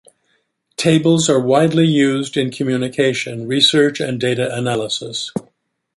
Tables are widely used in communication, research, and data analysis.